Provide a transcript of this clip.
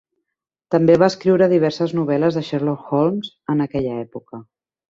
També va escriure diverses novel·les de Sherlock Holmes en aquella època.